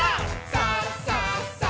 さあ！さあ！」